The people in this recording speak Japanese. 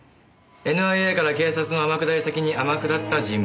ＮＩＡから警察の天下り先に天下った人物です。